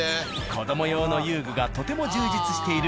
子ども用の遊具がとても充実している。